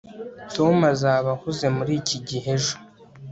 tom azaba ahuze muriki gihe ejo